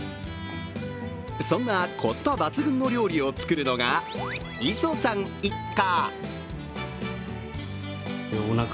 そんなコスパ抜群の料理を作るのが磯さん一家。